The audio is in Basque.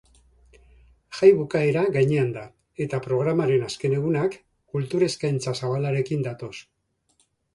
Jai bukaera gainean da eta programaren azken egunak kultur eskaintza zabalarekin datoz.